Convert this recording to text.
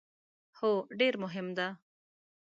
هو، ډیر مهم ده